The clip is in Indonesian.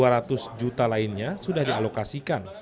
rp dua ratus juta lainnya sudah dialokasikan